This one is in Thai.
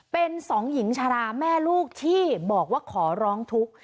เป็นสองหญิงชาราแม่ลูกที่บอกว่าขอร้องทุกข์